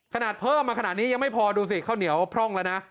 เพิ่มมาขนาดนี้ยังไม่พอดูสิข้าวเหนียวพร่องแล้วนะ